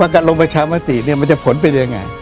ว่าการลงประชามาติมันจะผลเป็นยังไง